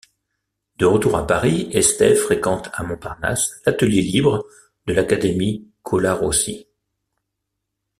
De retour à Paris, Estève fréquente à Montparnasse l'atelier libre de l'Académie Colarossi.